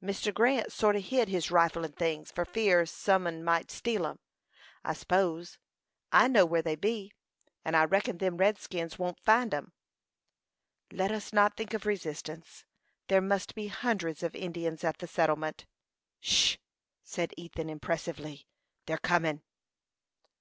"Mr. Grant sort o' hid his rifle and things, for fear some un might steal 'em, I s'pose. I know where they be; and I reckon them redskins won't find 'em." "Let us not think of resistance. There must be hundreds of Indians at the settlement." "'Sh!" said Ethan, impressively. "They're comin'."